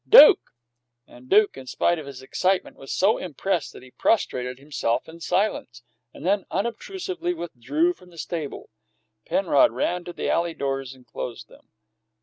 "Duke!" And Duke, in spite of his excitement, was so impressed that he prostrated himself in silence, and then unobtrusively withdrew from the stable. Penrod ran to the alley doors and closed them.